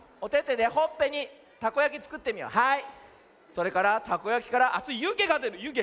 それからたこやきからあついゆげがでるゆげ。